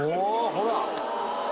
ほら！